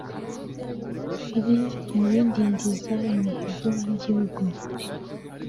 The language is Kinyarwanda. biri mubidindiza imihigo y’igihugu